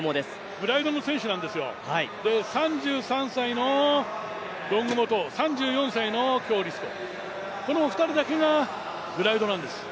グライドの選手なんですよ、３３歳のドングモと、３４歳の鞏立コウ、この２人だけがグライドなんです。